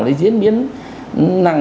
nó diễn biến nặng